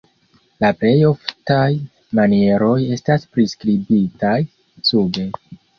La plej oftaj manieroj estas priskribitaj sube.